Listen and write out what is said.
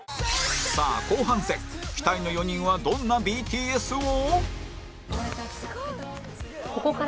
さあ後半戦期待の４人はどんな ＢＴＳ を？